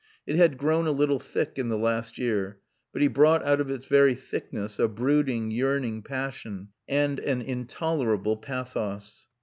It had grown a little thick in the last year, but he brought out of its very thickness a brooding, yearning passion and an intolerable pathos.